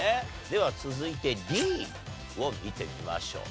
では続いてＤを見てみましょう。